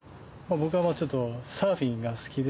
僕はちょっとサーフィンが好きで。